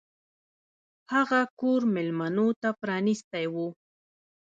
هغه کور میلمنو ته پرانیستی و.